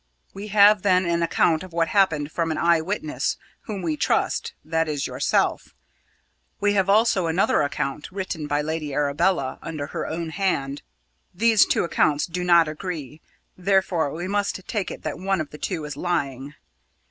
"We have, then, an account of what happened from an eye witness whom we trust that is yourself. We have also another account, written by Lady Arabella under her own hand. These two accounts do not agree. Therefore we must take it that one of the two is lying."